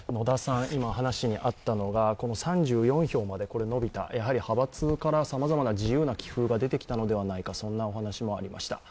話にあったのが３４票に伸びたのは派閥からさまざま自由な気風が出てきたのではないか、そんなお話もありました。